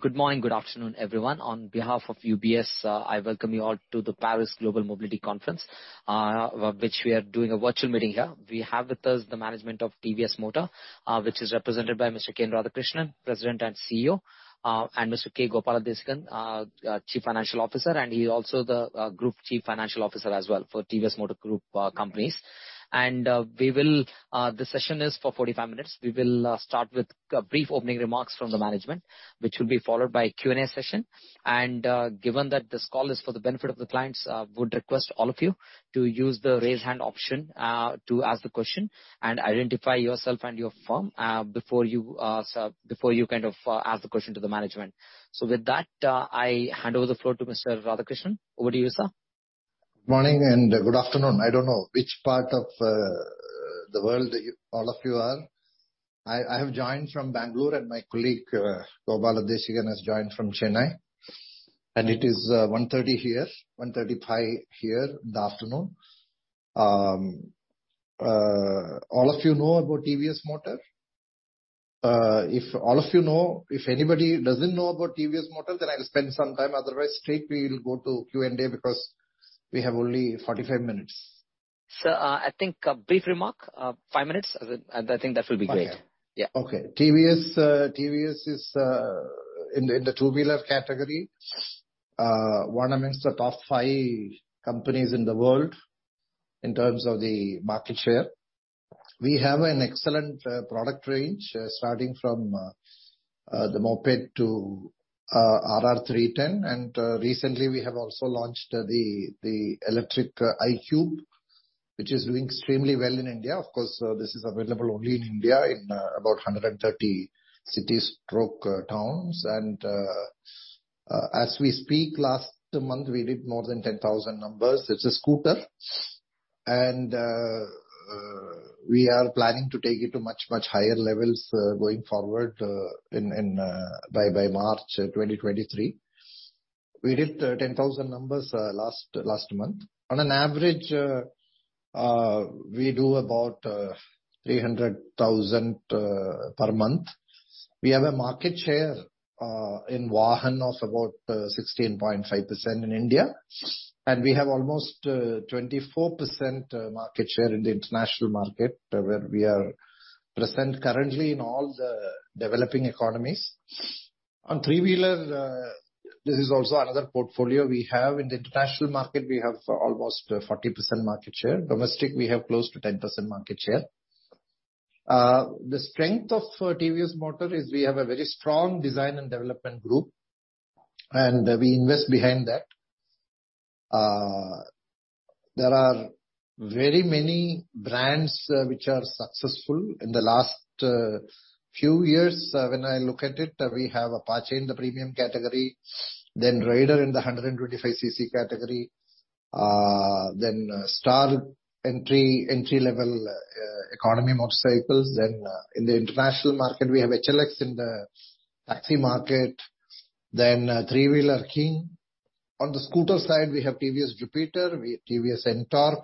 Good morning, good afternoon, everyone. On behalf of UBS, I welcome you all to the Paris Global Mobility Conference, which we are doing a virtual meeting here. We have with us the management of TVS Motor, which is represented by Mr. K. Radhakrishnan, President and CEO, and Mr. K. Gopala Desikan, Chief Financial Officer, and he's also the Group Chief Financial Officer as well for TVS Motor Group companies. The session is for 45 minutes. We will start with brief opening remarks from the management, which will be followed by a Q&A session. Given that this call is for the benefit of the clients, would request all of you to use the Raise Hand option to ask the question and identify yourself and your firm before you kind of ask the question to the management. With that, I hand over the floor To Mr. Radhakrishnan. Over to you, sir. Morning and good afternoon. I don't know which part of the world that you, all of you are. I have joined from Bangalore, and my colleague, Gopala Desikan, has joined from Chennai. It is 1:30 here. 1:35 here in the afternoon. All of you know about TVS Motor? If anybody doesn't know about TVS Motor, then I'll spend some time. Otherwise, straight we'll go to Q&A because we have only 45 minutes. Sir, I think a brief remark, five minutes, I think that will be great. Five, yeah. Yeah. Okay. TVS is in the two-wheeler category, one amongst the top five companies in the world in terms of the market share. We have an excellent product range, starting from the Moped to RR 310. Recently we have also launched the electric iQube, which is doing extremely well in India. Of course, this is available only in India in about 130 cities/towns. As we speak, last month we did more than 10,000 numbers. It's a scooter. We are planning to take it to much, much higher levels, going forward by March 2023. We did 10,000 numbers last month. On an average, we do about 300,000 per month. We have a market share in VAHAN of about 16.5% in India. We have almost 24% market share in the international market, where we are present currently in all the developing economies. On three-wheeler, this is also another portfolio we have. In the international market, we have almost 40% market share. Domestic, we have close to 10% market share. The strength of TVS Motor is we have a very strong design and development group, and we invest behind that. There are very many brands which are successful. In the last few years, when I look at it, we have Apache in the premium category, then Raider in the 125 cc category, then Star City+ entry-level economy motorcycles. In the international market, we have HLX in the taxi market, three-wheeler TVS King. On the scooter side, we have TVS Jupiter, we have TVS NTORQ.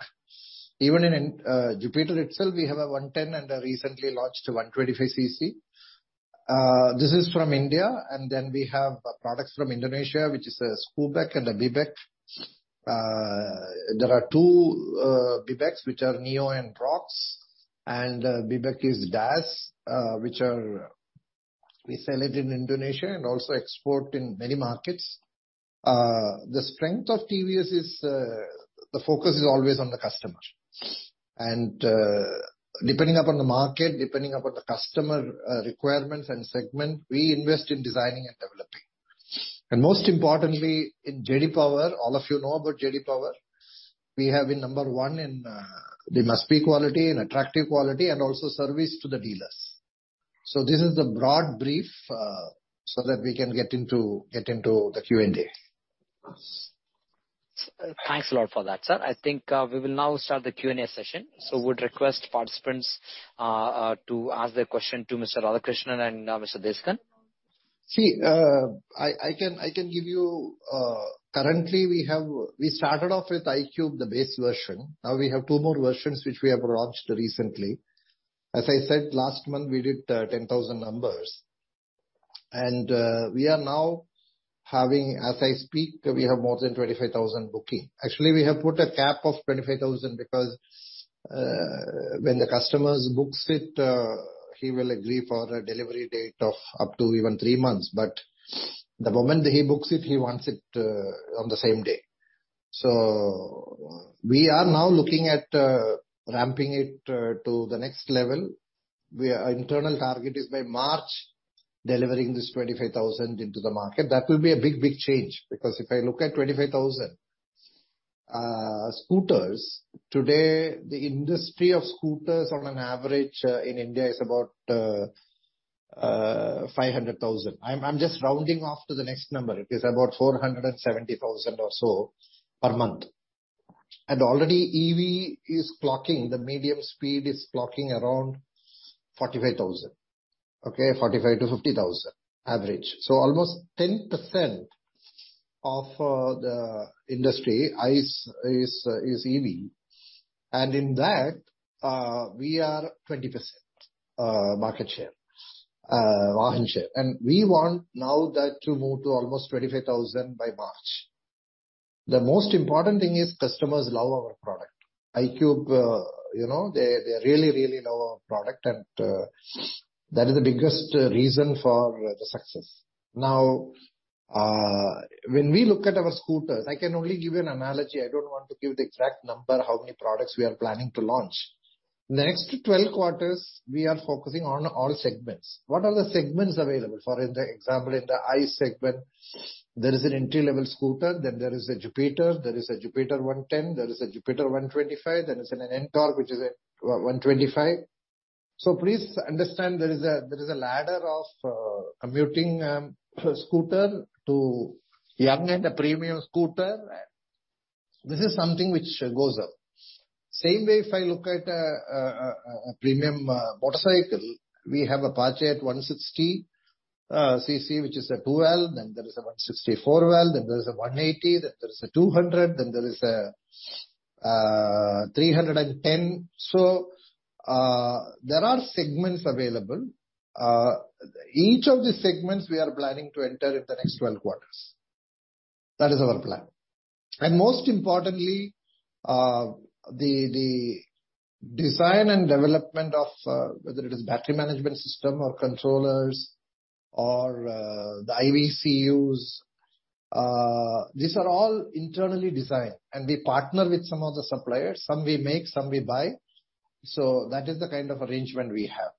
Even in Jupiter itself, we have a 110 cc and a recently launched 125 cc. This is from India. We have products from Indonesia, which is [Scoobeck] and a bebek. There are two bebeks, which are Neo and Rockz. Bebek is Dazz. We sell it in Indonesia and also export in many markets. The strength of TVS is the focus is always on the customer. Depending upon the market, depending upon the customer, requirements, and segment, we invest in designing and developing. Most importantly, in J.D. Power, all of you know about J.D. Power, we have been number one in the must-be quality and attractive quality and also service to the dealers. This is the broad brief, so that we can get into the Q&A. Thanks a lot for that, sir. I think we will now start the Q&A session. Would request participants to ask their question to Mr. Radhakrishnan and Mr. Desikan. See, I can give you. Currently, we started off with iQube, the base version. Now we have two more versions which we have launched recently. As I said, last month we did 10,000 numbers. We are now having, as I speak, we have more than 25,000 booking. Actually, we have put a cap of 25,000 because when the customers books it, he will agree for a delivery date of up to even three months. The moment that he books it, he wants it on the same day. We are now looking at ramping it to the next level. Our internal target is by March delivering this 25,000 into the market. That will be a big, big change. If I look at 25,000 scooters, today the industry of scooters on an average in India is about 500,000. I'm just rounding off to the next number. It is about 470,000 or so per month. Already EV is clocking, the medium speed is clocking around 45,000, okay? 45,000-50,000 average. Almost 10% of the industry ICE is EV. In that, we are 20% market share, volume share. We want now that to move to almost 25,000 by March. The most important thing is customers love our product. iQube, you know, they really love our product, and that is the biggest reason for the success. Now, when we look at our scooters, I can only give you an analogy. I don't want to give the exact number, how many products we are planning to launch. In the next 12 quarters, we are focusing on all segments. What are the segments available? For in the example, in the ICE segment, there is an entry-level scooter, then there is a Jupiter, there is a Jupiter 110, there is a Jupiter 125, there is an NTORQ, which is a 125. Please understand there is a ladder of commuting scooter to young and the premium scooter. This is something which goes up. Same way if I look at a premium motorcycle, we have a Apache at 160 cc, which is a 2 valve, then there is a 160-4 valve, then there is a 180, then there is a 200, then there is a 310. There are segments available. Each of these segments we are planning to enter in the next 12 quarters. That is our plan. Most importantly, the design and development of whether it is battery management system or controllers or the IVCUs, these are all internally designed, and we partner with some of the suppliers. Some we make, some we buy. That is the kind of arrangement we have.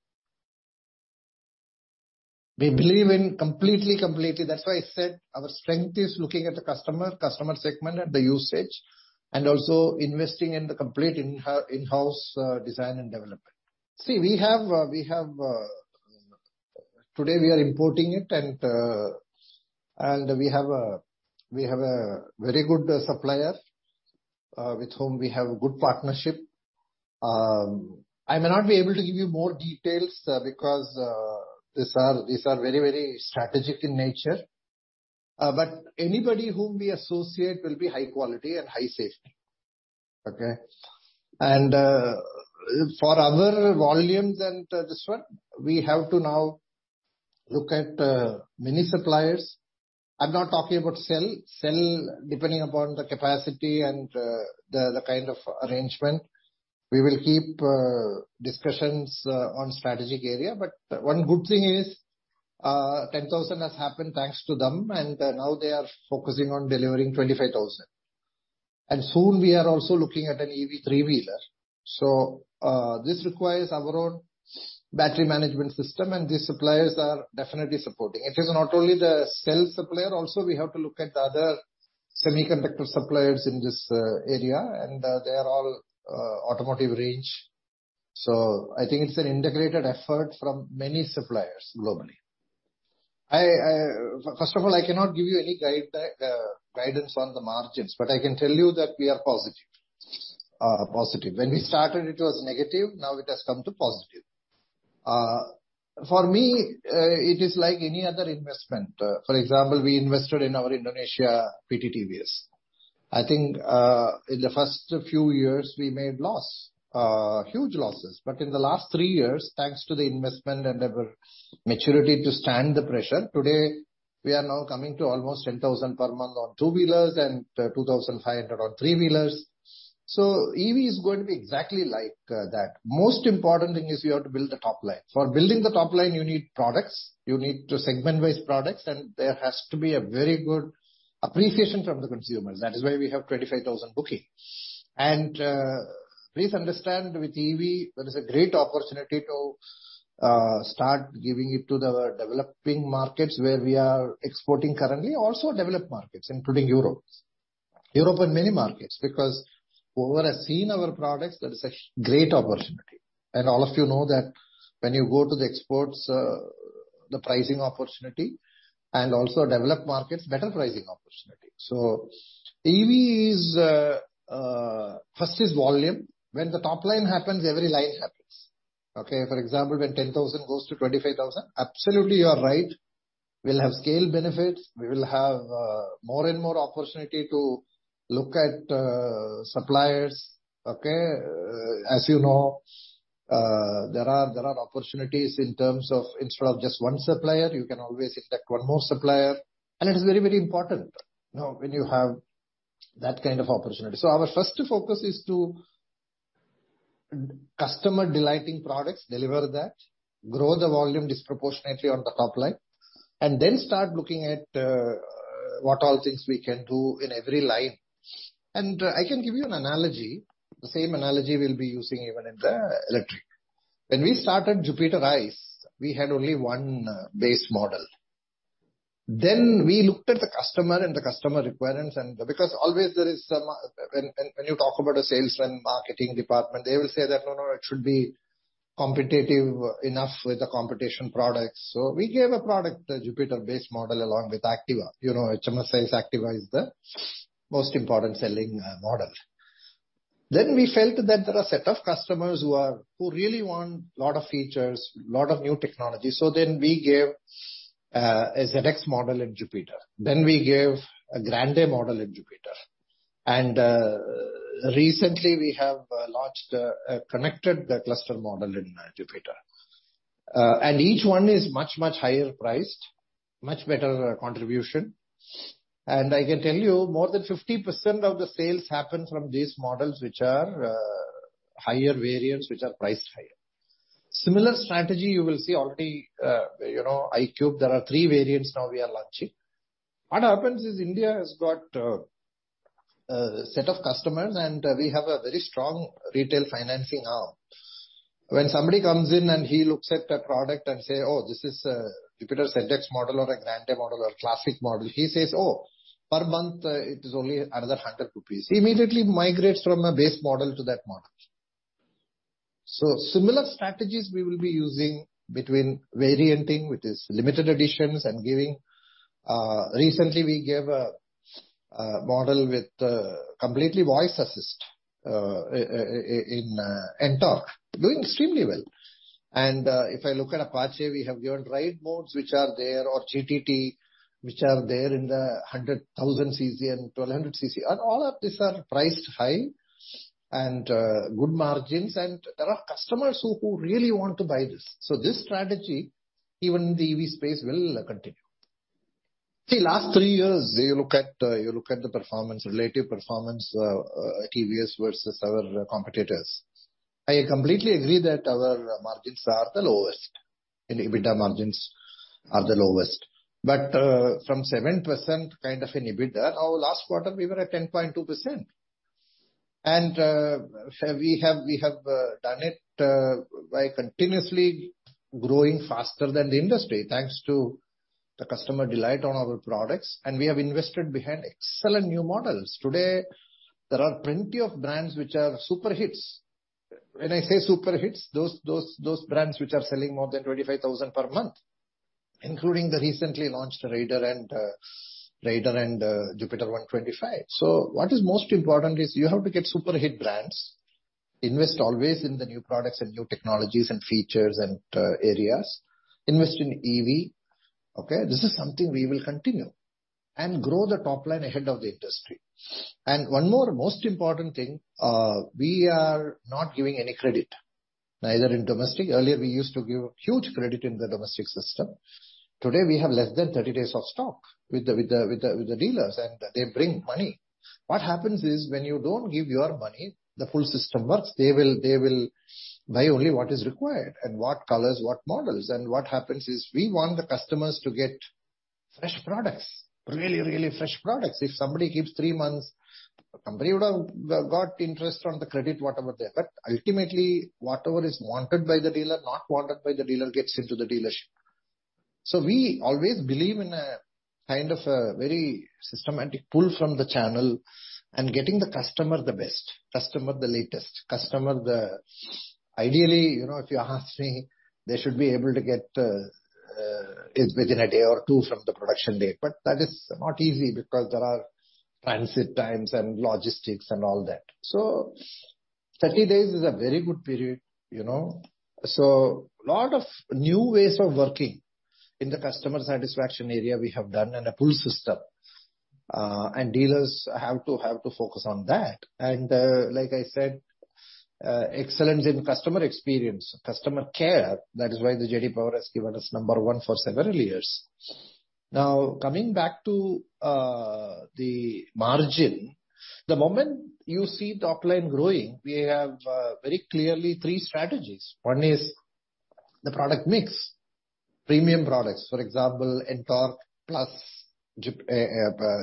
We believe in completely. That's why I said our strength is looking at the customer segment, and the usage, and also investing in the complete in-house design and development. See, we have today we are importing it, and we have a very good supplier with whom we have a good partnership. I may not be able to give you more details because these are very, very strategic in nature. Anybody whom we associate will be high quality and high safety. Okay? For our volumes and this one, we have to now look at many suppliers. I'm not talking about cell. Cell, depending upon the capacity and the kind of arrangement. We will keep discussions on strategic area. One good thing is, 10,000 has happened thanks to them. Now they are focusing on delivering 25,000. Soon we are also looking at an EV three-wheeler. This requires our own battery management system, and these suppliers are definitely supporting. It is not only the cell supplier, also we have to look at the other semiconductor suppliers in this area. They are all automotive range. I think it's an integrated effort from many suppliers globally. First of all, I cannot give you any guidance on the margins, but I can tell you that we are positive. Positive. When we started, it was negative. Now it has come to positive. For me, it is like any other investment. For example, we invested in our Indonesia PT TVS. I think, in the first few years we made loss, huge losses. In the last three years, thanks to the investment and our maturity to stand the pressure, today we are now coming to almost 10,000 per month on two-wheelers and 2,500 on three-wheelers. EV is going to be exactly like that. Most important thing is you have to build the top line. For building the top line, you need products, you need to segment-based products, and there has to be a very good appreciation from the consumers. That is why we have 25,000 booking. Please understand with EV there is a great opportunity to start giving it to the developing markets where we are exporting currently. Also developed markets, including Europe. Europe and many markets. Whoever has seen our products, that is a great opportunity. All of you know that when you go to the exports, the pricing opportunity and also developed markets, better pricing opportunity. EV is, first is volume. When the top line happens, every line happens. Okay. For example, when 10,000 goes to 25,000, absolutely, you are right. We'll have scale benefits. We will have more and more opportunity to look at suppliers. Okay. As you know, there are opportunities in terms of instead of just one supplier, you can always induct one more supplier. It is very, very important, you know, when you have that kind of opportunity. Our first focus is to customer delighting products, deliver that, grow the volume disproportionately on the top line, and then start looking at what all things we can do in every line. I can give you an analogy, the same analogy we'll be using even in the electric. When we started Jupiter ICE, we had only one base model. We looked at the customer and the customer requirements. Always, there is some when you talk about a salesman, marketing department, they will say that, "No, no, it should be competitive enough with the competition products." We gave a product, the Jupiter base model, along with Activa. You know, HMSI Activa is the most important selling model. We felt that there are set of customers who really want a lot of features, lot of new technology. We gave a ZX model in Jupiter. We gave a Grande model in Jupiter. Recently, we have launched a connected cluster model in Jupiter. Each one is much, much higher priced, much better contribution. I can tell you more than 50% of the sales happen from these models, which are higher variants, which are priced higher. Similar strategy you will see already, you know, iQube, there are three variants now we are launching. What happens is India has got a set of customers, and we have a very strong retail financing arm. When somebody comes in and he looks at a product and say, "Oh, this is a Jupiter ZX model or a Grande model or Classic model," he says, "Oh, per month it is only another 100 rupees." He immediately migrates from a base model to that model. Similar strategies we will be using between varianting with these limited editions and giving... Recently, we gave a model with completely voice assist in NTORQ. Doing extremely well. If I look at Apache, we have given ride modes which are there, or GTT, which are there in the 100 cc, 1,000 cc and 1,200 cc. All of these are priced high and good margins, and there are customers who really want to buy this. This strategy, even in the EV space, will continue. Last three years, you look at the performance, relative performance at TVS versus our competitors. I completely agree that our margins are the lowest, and EBITDA margins are the lowest. From 7% kind of an EBITDA, our last quarter we were at 10.2%. We have done it by continuously growing faster than the industry, thanks to the customer delight on our products. We have invested behind excellent new models. Today, there are plenty of brands which are super hits. When I say super hits, those brands which are selling more than 25,000 per month, including the recently launched Raider and Jupiter 125. What is most important is you have to get super hit brands, invest always in the new products and new technologies and features and areas. Invest in EV, okay? This is something we will continue and grow the top line ahead of the industry. One more most important thing, we are not giving any credit, neither in domestic. Earlier, we used to give huge credit in the domestic system. Today, we have less than 30 days of stock with the dealers. They bring money. What happens is when you don't give your money, the full system works. They will buy only what is required, what colors, what models. What happens is we want the customers to get really fresh products. If somebody keeps three months, the company would have got interest on the credit, whatever there. Ultimately, whatever is wanted by the dealer, not wanted by the dealer, gets into the dealership. We always believe in a kind of a very systematic pull from the channel and getting the customer the best, customer the latest. Ideally, you know, if you ask me, they should be able to get it within one or two days from the production date. That is not easy because there are transit times and logistics and all that. 30 days is a very good period, you know. Lot of new ways of working in the customer satisfaction area we have done, and a pull system. Dealers have to focus on that. Like I said, excellence in customer experience, customer care, that is why J.D. Power has given us number 1 for several years. Coming back to the margin. The moment you see top line growing, we have very clearly three strategies. 1 is the product mix. Premium products, for example, NTORQ plus,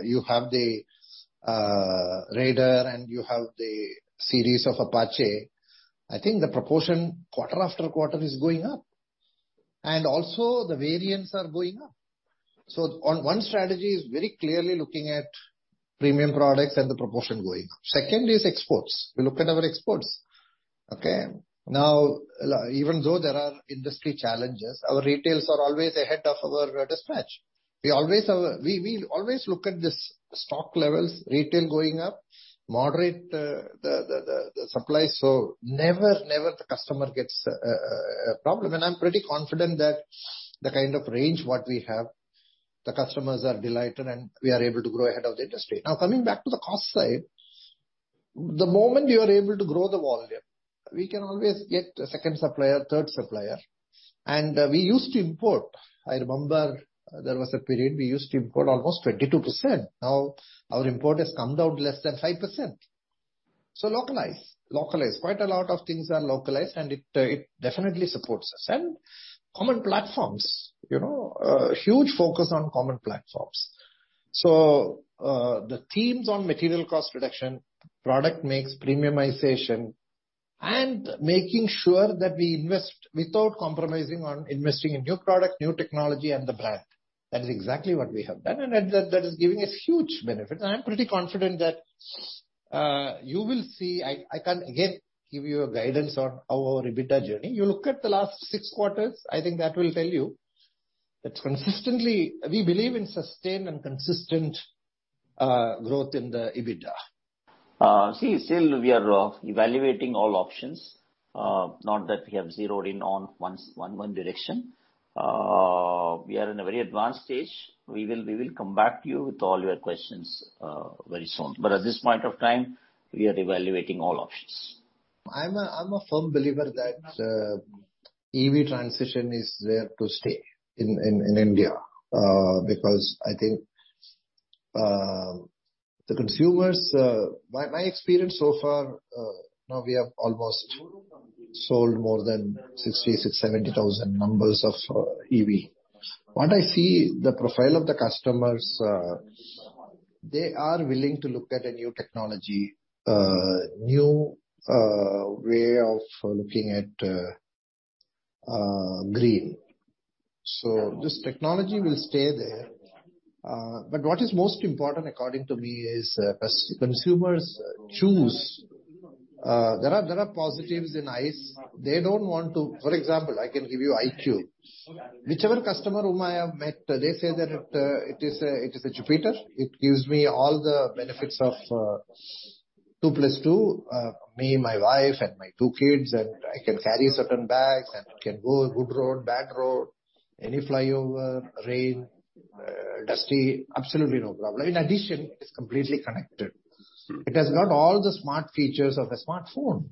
you have the Raider, and you have the series of Apache. I think the proportion quarter after quarter is going up. Also, the variants are going up. On one strategy is very clearly looking at premium products and the proportion going up. Second is exports. We look at our exports, okay? Even though there are industry challenges, our retails are always ahead of our dispatch. We always have a We always look at this stock levels, retail going up, moderate the supply. Never the customer gets a problem. I'm pretty confident that the kind of range what we have, the customers are delighted and we are able to grow ahead of the industry. Coming back to the cost side. The moment you are able to grow the volume, we can always get a second supplier, third supplier. We used to import. I remember there was a period we used to import almost 22%. Our import has come down less than 5%. Localize. Localize. Quite a lot of things are localized, and it definitely supports us. Common platforms, you know. A huge focus on common platforms. The themes on material cost reduction, product mix, premiumization, and making sure that we invest without compromising on investing in new product, new technology, and the brand. That is exactly what we have done. That is giving us huge benefits. I am pretty confident that you will see. I can again give you a guidance on our EBITDA journey. You look at the last six quarters, I think that will tell you. That's consistently. We believe in sustained and consistent growth in the EBITDA. See, still we are evaluating all options, not that we have zeroed in on one direction. We are in a very advanced stage. We will come back to you with all your questions very soon. At this point of time, we are evaluating all options. I'm a firm believer that EV transition is there to stay in India because I think the consumers. My experience so far, now we have almost sold more than 66,000, 70,000 numbers of EV. What I see, the profile of the customers, they are willing to look at a new technology, new way of looking at green. This technology will stay there. What is most important according to me is as consumers choose, there are positives in ICE. For example, I can give you iQube. Whichever customer whom I have met, they say that it is a Jupiter. It gives me all the benefits of two plus two, me and my wife and my two kids, and I can carry certain bags and can go good road, bad road, any flyover, rain, dusty, absolutely no problem. In addition, it's completely connected. It has got all the smart features of a smartphone.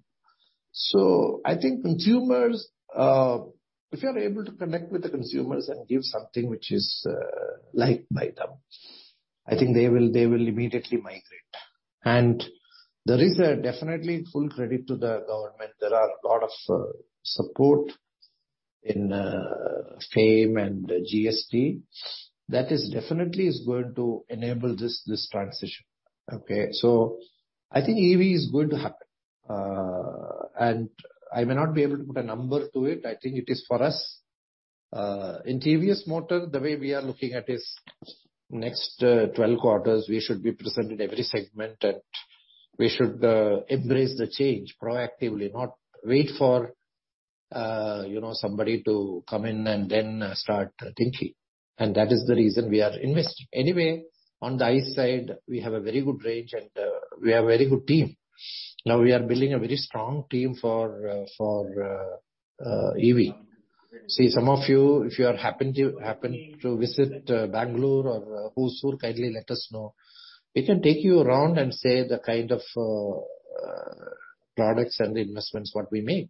I think consumers, if you're able to connect with the consumers and give something which is liked by them, I think they will immediately migrate. There is definitely full credit to the government. There are a lot of support in FAME and GST. That is definitely going to enable this transition. Okay? I think EV is going to happen. I may not be able to put a number to it. I think it is for us. In TVS Motor, the way we are looking at is next 12 quarters, we should be present in every segment and we should embrace the change proactively, not wait for, you know, somebody to come in and then start thinking. That is the reason we are investing. Anyway, on the ICE side, we have a very good range, we have very good team. Now, we are building a very strong team for EV. Some of you, if you happen to visit Bangalore or Hosur, kindly let us know. We can take you around and say the kind of products and the investments what we make.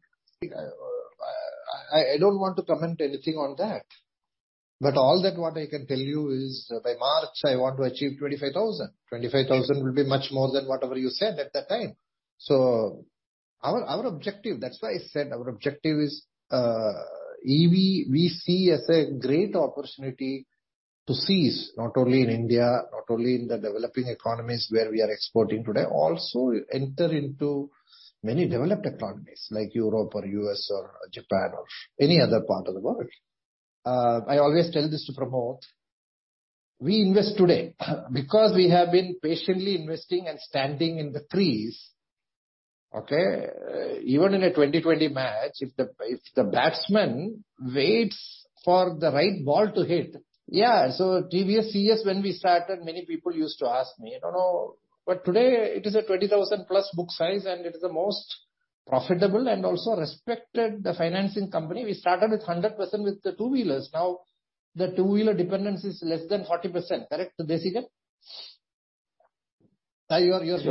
I don't want to comment anything on that. All that what I can tell you is by March, I want to achieve 25,000. 25,000 will be much more than whatever you said at that time. Our objective, that's why I said our objective is EV, we see as a great opportunity to seize, not only in India, not only in the developing economies where we are exporting today, also enter into many developed economies like Europe or U.S., or Japan, or any other part of the world. I always tell this to Pramod, we invest today because we have been patiently investing and standing in the crease. Okay? Even in a 20-20 match, if the batsman waits for the right ball to hit. TVS, yes, when we started, many people used to ask me, "No, no." Today it is a 20,000+ book size, and it is the most profitable and also respected financing company. We started with 100% with the two-wheelers. Now, the two-wheeler dependence is less than 40%. Correct, Desikan? You're correct.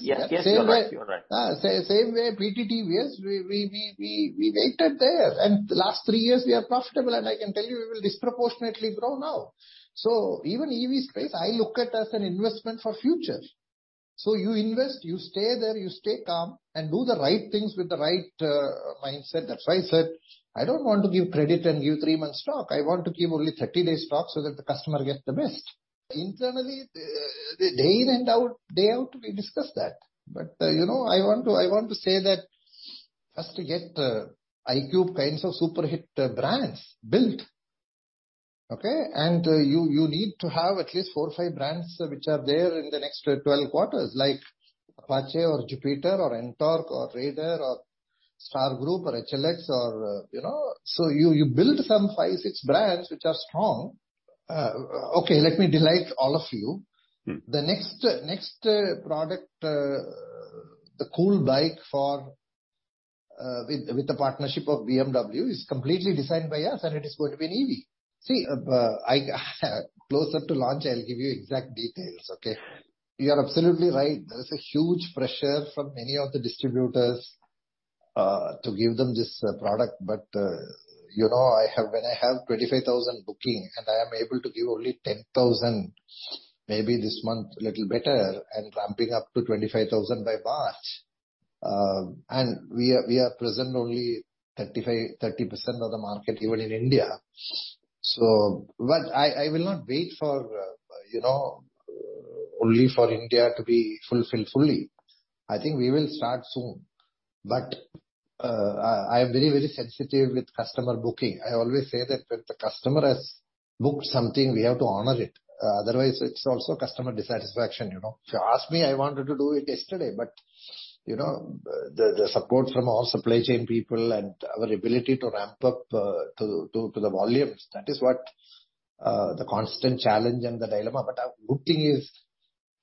You're right. Yes, you're right. Same way, PTT, we waited there. The last three years we are profitable, and I can tell you we will disproportionately grow now. Even EV space, I look at as an investment for future. You invest, you stay there, you stay calm, and do the right things with the right mindset. That's why I said I don't want to give credit and give three months stock. I want to give only 30 days stock so that the customer gets the best. Internally, day in and out, day out, we discuss that. You know, I want to say that first to get iQube kinds of super hit brands built. Okay? You need to have at least four or five brands which are there in the next 12 quarters, like Apache or Jupiter or NTORQ or Raider or Star City+ or HLX or, you know. You build some five, six brands which are strong. Okay, let me delight all of you. The next product, the cool bike for with the partnership of BMW is completely designed by us. It is going to be an EV. See, I closer to launch, I'll give you exact details. Okay? You are absolutely right. There's a huge pressure from many of the distributors to give them this product. You know, when I have 25,000 booking and I am able to give only 10,000, maybe this month a little better and ramping up to 25,000 by March, and we are present only 30% of the market even in India. I will not wait for, you know, only for India to be fulfilled fully. I think we will start soon. I am very, very sensitive with customer booking. I always say that when the customer booked something, we have to honor it. Otherwise, it's also customer dissatisfaction, you know. If you ask me, I wanted to do it yesterday, but, you know, the support from our supply chain people and our ability to ramp up to the volumes, that is what the constant challenge and the dilemma. Our good thing is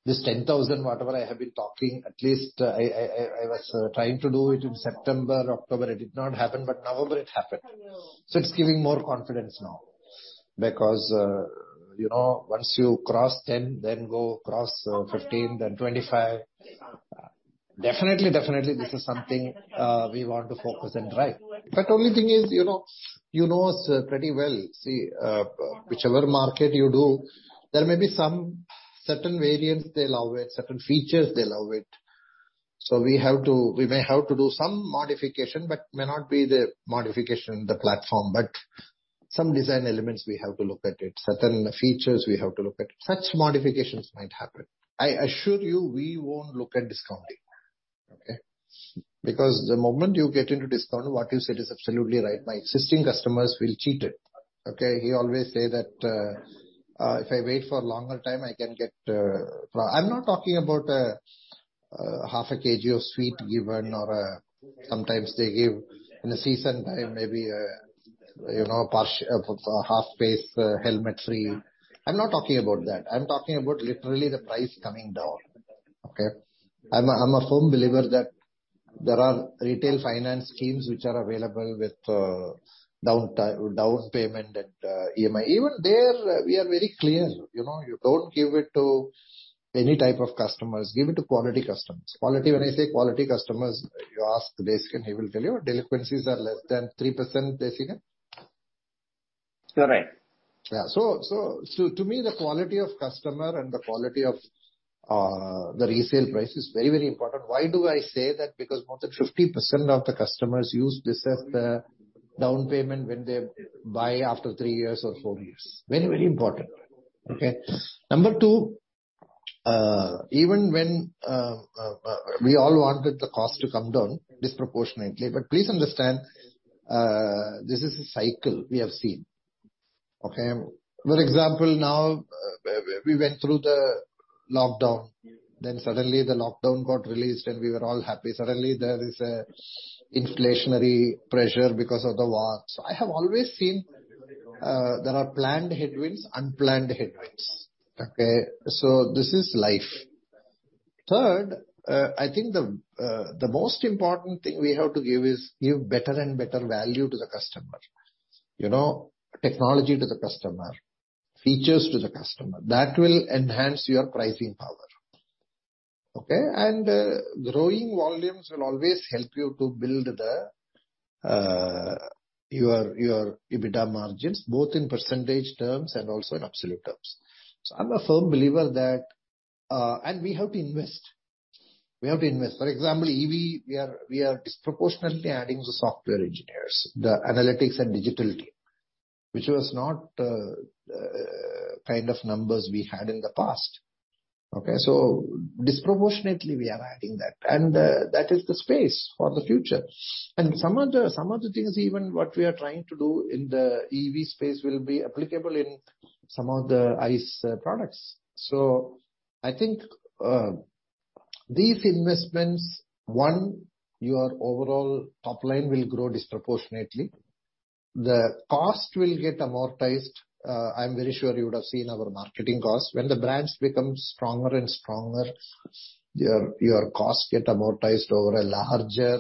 this 10,000 whatever I have been talking, at least I was trying to do it in September, October, it did not happen, but November it happened. It's giving more confidence now. You know, once you cross 10,000 then go cross 15,000 then 25,000. Definitely, definitely, this is something we want to focus and drive. Only thing is, you know, you know us pretty well. See, whichever market you do, there may be some certain variants they love it, certain features they love it. We may have to do some modification, but may not be the modification in the platform, but some design elements we have to look at it. Certain features we have to look at. Such modifications might happen. I assure you, we won't look at discounting. Okay? The moment you get into discount, what you said is absolutely right. My existing customers feel cheated. Okay? He always say that, if I wait for a longer time, I can get. I'm not talking about half a kg of sweet given or, sometimes they give in the season time, maybe, you know, part-half face helmet free. I'm not talking about that. I'm talking about literally the price coming down. Okay? I'm a firm believer that there are retail finance schemes which are available with down payment and EMI. Even there we are very clear, you know. You don't give it to any type of customers. Give it to quality customers. Quality. When I say quality customers, you ask Desikan, he will tell you. Delinquencies are less than 3%, Desikan? Correct. Yeah. To me, the quality of customer and the quality of the resale price is very, very important. Why do I say that? Because more than 50% of the customers use this as the down payment when they buy after three years or four years. Very, very important. Okay? Number two, even when we all wanted the cost to come down disproportionately, please understand, this is a cycle we have seen. Okay? For example, now, we went through the lockdown, then suddenly, the lockdown got released, and we were all happy. Suddenly, there is a inflationary pressure because of the war. I have always seen, there are planned headwinds, unplanned headwinds. Okay? This is life. Third, I think the most important thing we have to give is give better and better value to the customer. You know, technology to the customer, features to the customer. That will enhance your pricing power. Okay. Growing volumes will always help you to build your EBITDA margins, both in percentage terms and also in absolute terms. I'm a firm believer that. We have to invest. We have to invest. For example, EV, we are disproportionately adding the software engineers, the analytics and digital team, which was not kind of numbers we had in the past. Okay. Disproportionately we are adding that. That is the space for the future. Some of the things even what we are trying to do in the EV space will be applicable in some of the ICE products. I think, these investments, one, your overall top line will grow disproportionately. The cost will get amortized. I'm very sure you would have seen our marketing costs. When the brands become stronger and stronger, your costs get amortized over a larger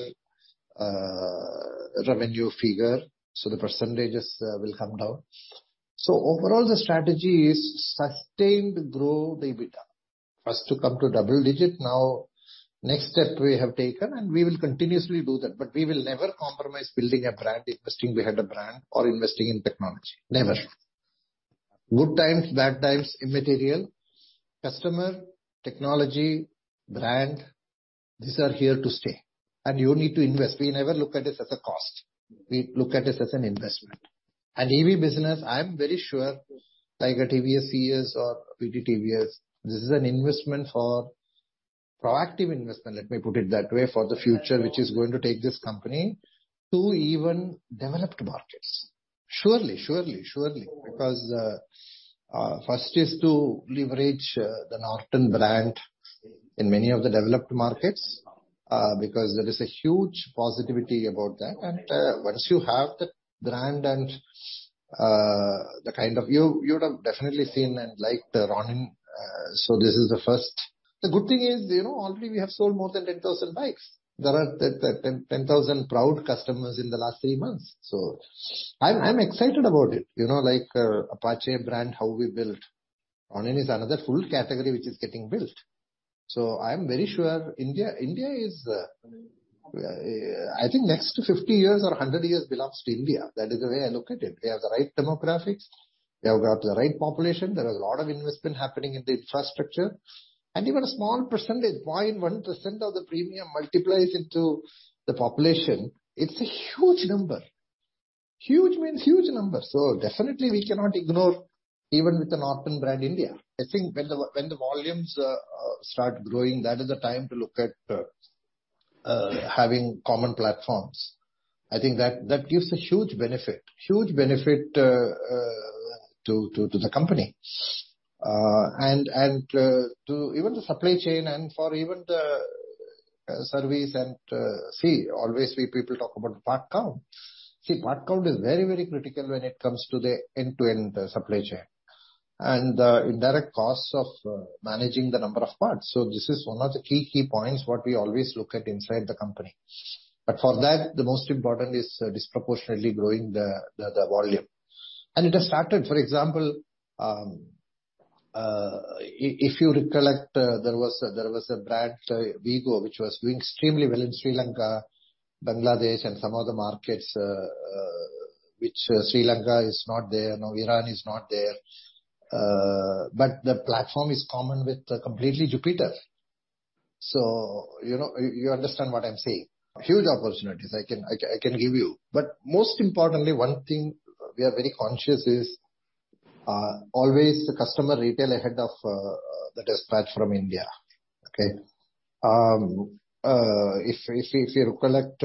revenue figure, the percentages will come down. Overall, the strategy is sustained growth EBITDA. First to come to double-digit, now next step we have taken, we will continuously do that. We will never compromise building a brand, investing behind the brand or investing in technology. Never. Good times, bad times, immaterial. Customer, technology, brand, these are here to stay. You need to invest. We never look at it as a cost. We look at it as an investment. EV business, I'm very sure Tiger TVS CS or PT TVS, this is an investment for proactive investment, let me put it that way, for the future, which is going to take this company to even developed markets. Surely, surely. First is to leverage the Norton brand in many of the developed markets, because there is a huge positivity about that. Once you have the brand and the kind of you would have definitely seen and liked the Ronin, so this is the first. The good thing is, you know, already we have sold more than 10,000 bikes. There are 10,000 proud customers in the last three months. I'm excited about it. You know, like Apache brand, how we built. Ronin is another full category which is getting built. I'm very sure India is, I think next 50 years or 100 years belongs to India. That is the way I look at it. We have the right demographics. We have got the right population. There are a lot of investment happening in the infrastructure. Even a small percentage, 0.1% of the premium multiplies into the population, it's a huge number. Huge means huge number. Definitely we cannot ignore even with the Norton brand India. I think when the volumes start growing, that is the time to look at having common platforms. I think that gives a huge benefit to the company. To even the supply chain and for even the service, always we people talk about part count. Part count is very, very critical when it comes to the end-to-end supply chain. Indirect costs of managing the number of parts. This is one of the key points what we always look at inside the company. For that, the most important is disproportionately growing the volume. It has started. For example, if you recollect, there was a brand Wego, which was doing extremely well in Sri Lanka, Bangladesh and some other markets, which Sri Lanka is not there. Now Iran is not there. The platform is common with completely Jupiter. you know, you understand what I'm saying. Huge opportunities I can give you. Most importantly, one thing we are very conscious is always the customer retail ahead of the dispatch from India. Okay? If you recollect,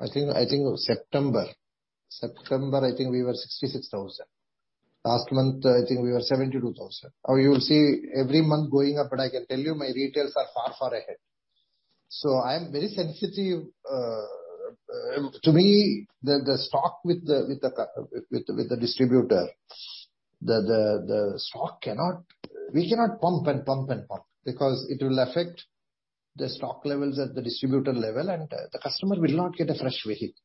I think September, I think we were 66,000. Last month, I think we were 72,000. Now you will see every month going up, but I can tell you my retails are far, far ahead. I am very sensitive... To me, the stock with the distributor, the stock cannot... We cannot pump and pump because it will affect the stock levels at the distributor level, and the customer will not get a fresh vehicle.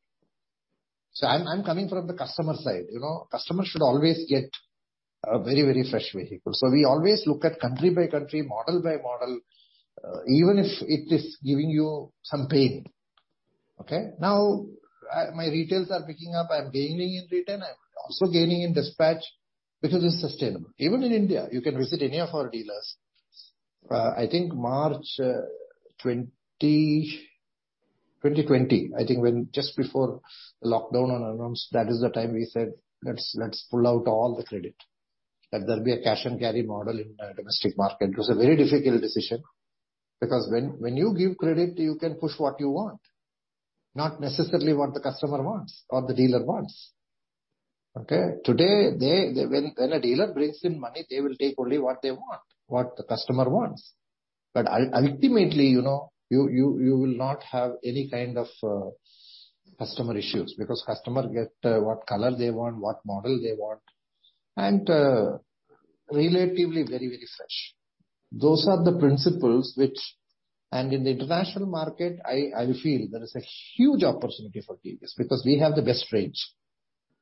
I'm coming from the customer side, you know. Customer should always get a very, very fresh vehicle. We always look at country by country, model by model, even if it is giving you some pain. Okay? My retails are picking up. I'm gaining in return. I'm also gaining in dispatch, which is sustainable. Even in India, you can visit any of our dealers. I think March 2020, I think when just before lockdown announced, that is the time we said, "Let's pull out all the credit." There'll be a cash and carry model in our domestic market. It was a very difficult decision, because when you give credit, you can push what you want, not necessarily what the customer wants or the dealer wants. Okay? Today, when a dealer brings in money, they will take only what they want, what the customer wants. Ultimately, you know, you will not have any kind of customer issues because customer get what color they want, what model they want, and relatively very fresh. Those are the principles which. In the international market, I feel there is a huge opportunity for TVS because we have the best range.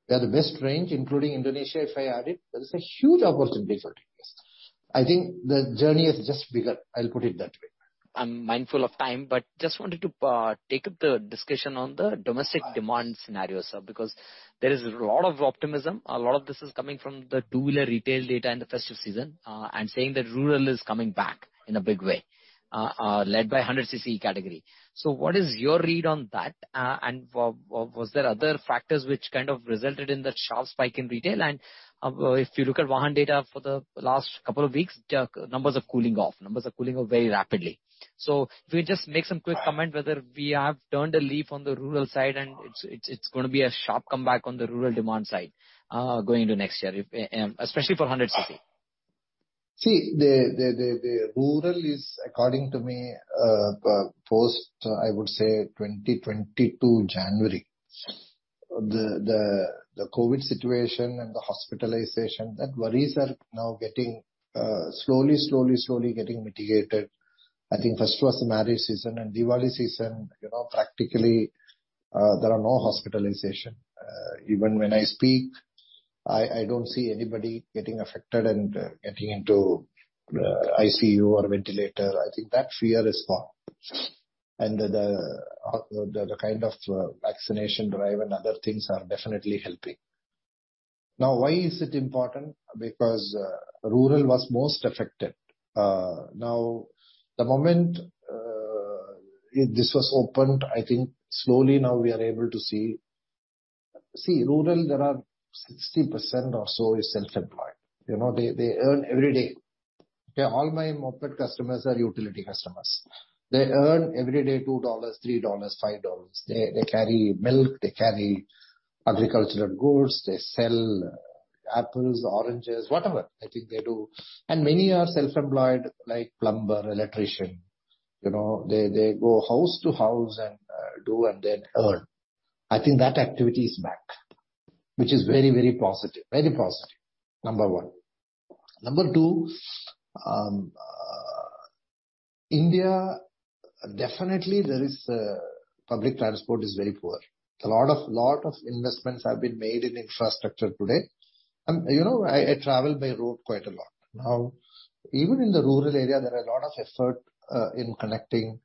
We have the best range, including Indonesia, if I add it. There is a huge opportunity for TVS. I think the journey has just begun, I'll put it that way. I'm mindful of time, but just wanted to take up the discussion on the domestic demand scenario, sir, because there is a lot of optimism. A lot of this is coming from the two-wheeler retail data in the festive season, and saying that rural is coming back in a big way, led by 100 cc category. What is your read on that? Was there other factors which kind of resulted in the sharp spike in retail? If you look at VAHAN data for the last couple of weeks, the numbers are cooling off. Numbers are cooling off very rapidly. If you just make some quick comment whether we have turned a leaf on the rural side and it's gonna be a sharp comeback on the rural demand side, going into next year if, especially for 100 cc. See, the rural is according to me, post, I would say 2020 to January. The COVID situation and the hospitalization, that worries are now getting slowly getting mitigated. I think first was marriage season and Diwali season. You know, practically, there are no hospitalization. Even when I speak, I don't see anybody getting affected and getting into ICU or ventilator. I think that fear is gone. The kind of vaccination drive and other things are definitely helping. Why is it important? Because rural was most affected. Now, the moment this was opened, I think slowly now we are able to see. Rural there are 60% or so is self-employed. You know, they earn every day. All my moped customers are utility customers. They earn every day $2, $3, $5. They carry milk, they carry agricultural goods, they sell apples, oranges, whatever. I think they do. Many are self-employed like plumber, electrician. You know, they go house to house and do and then earn. I think that activity is back, which is very, very positive. Very positive, number one. Number two, India, definitely there is public transport is very poor. A lot of investments have been made in infrastructure today. You know, I travel by road quite a lot. Now, even in the rural area, there are a lot of effort in connecting.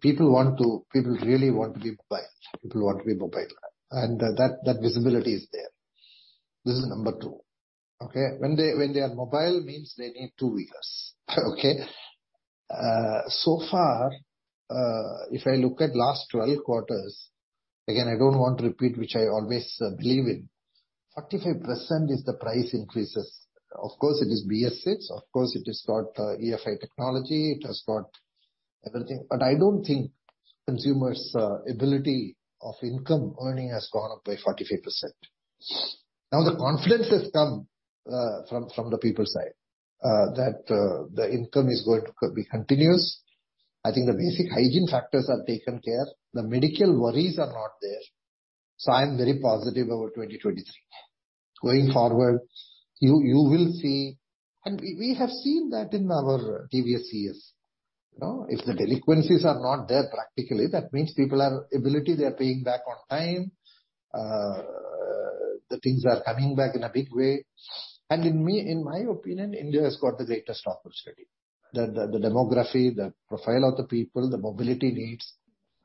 People really want to be mobile. People want to be mobile. That visibility is there. This is number two. Okay? When they are mobile means they need two wheelers. Okay? So far, if I look at last 12 quarters, again, I don't want to repeat which I always believe in. 45% is the price increases. Of course, it is BS6. Of course, it has got EFI technology. It has got everything. I don't think consumers' ability of income earning has gone up by 45%. Now, the confidence has come from the people's side that the income is going to be continuous. I think the basic hygiene factors are taken care. The medical worries are not there. I am very positive about 2023. Going forward, you will see, and we have seen that in our previous years, you know. If the delinquencies are not there practically, that means people have ability, they are paying back on time. The things are coming back in a big way. In my opinion, India has got the greatest opportunity. The demography, the profile of the people, the mobility needs.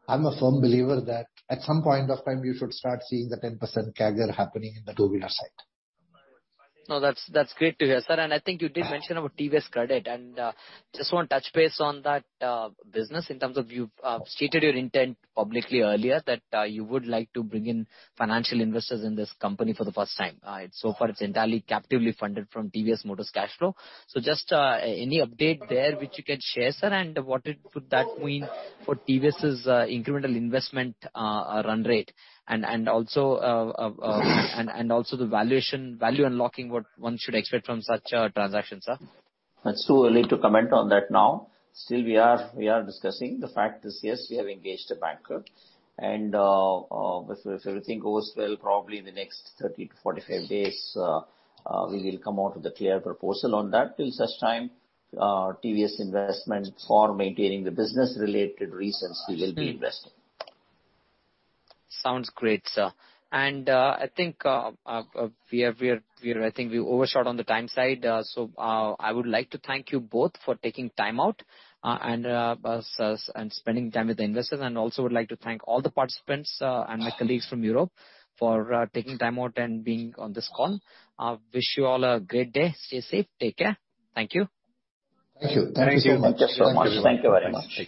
I'm a firm believer that at some point of time you should start seeing the 10% CAGR happening in the two-wheeler side. No, that's great to hear, sir. I think you did mention about TVS Credit, just want to touch base on that business in terms of you've stated your intent publicly earlier, that you would like to bring in financial investors in this company for the first time. So far it's entirely captively funded from TVS Motors' cash flow. Just any update there which you can share, sir, and what it would that mean for TVS's incremental investment run rate, and also the valuation, value unlocking, what one should expect from such a transaction, sir? It's too early to comment on that now. Still, we are discussing. The fact is yes, we have engaged a banker, and if everything goes well, probably in the next 30-45 days, we will come out with a clear proposal on that. Till such time, TVS investment for maintaining the business-related reasons, we will be investing. Sounds great, sir. I think we overshot on the time side. I would like to thank you both for taking time out and spending time with the investors. Also would like to thank all the participants and my colleagues from Europe for taking time out and being on this call. Wish you all a great day. Stay safe. Take care. Thank you. Thank you. Thank you so much. Thank you. Thank you very much.